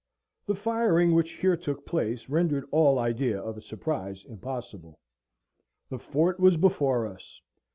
The firing which here took place rendered all idea of a surprise impossible. The fort was before us.